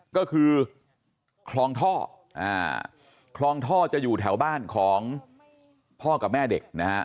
ก็คือคลองท่อคลองท่อจะอยู่แถวบ้านของพ่อกับแม่เด็กนะฮะ